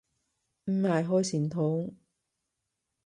唔係開善堂